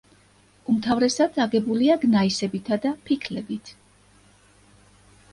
უმთავრესად აგებულია გნაისებითა და ფიქლებით.